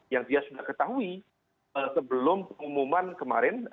yang dia sudah ketahui sebelum pengumuman kemarin